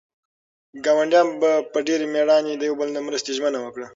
ګاونډیانو په ډېرې مېړانې د یو بل د مرستې ژمنه وکړه.